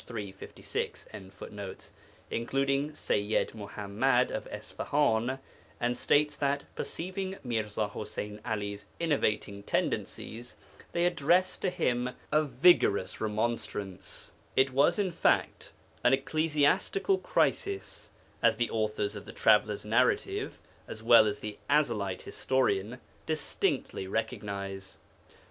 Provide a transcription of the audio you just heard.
356.] including Sayyid Muḥammad of Isfahan, and states that, perceiving Mirza Ḥuseyn 'Ali's innovating tendencies, they addressed to him a vigorous remonstrance. It was, in fact, an ecclesiastical crisis, as the authors of the Traveller's Narrative, as well as the Ezelite historian, distinctly recognize.